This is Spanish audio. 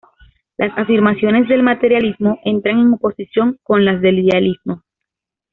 Las afirmaciones del materialismo entran en oposición con las del idealismo.